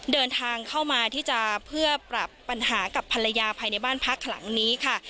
เดินทางเข้ามาที่จะเพื่อปรับปัญหากับภรรยาภายในบ้านพักหลังนี้ค่ะ